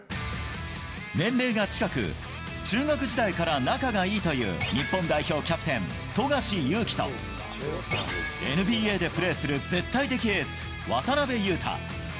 年齢が近く、中学時代から仲がいいという、日本代表キャプテン、富樫勇樹と、ＮＢＡでプレーする絶対的エース、渡邊雄太。